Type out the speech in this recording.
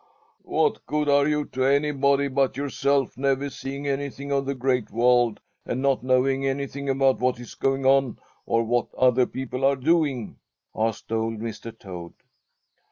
"What good are you to anybody but yourself, never seeing anything of the Great World and not knowing anything about what is going on or what other people are doing?" asked old Mr. Toad.